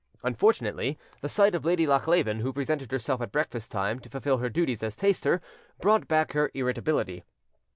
Unfortunately, the sight of Lady Lochleven, who presented herself at breakfast time, to fulfil her duties as taster, brought back her irritability.